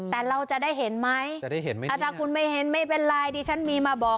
แต่เราจะได้เห็นมั้ยอาจารย์คุณไม่เห็นไม่เป็นไรที่ชั้นมีมาบอก